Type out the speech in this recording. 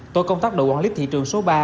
tổ công tác đội quản lý thị trường số ba